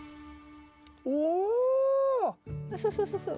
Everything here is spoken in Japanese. そうそうそうそう。